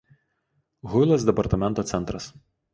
Huilos departamento centras.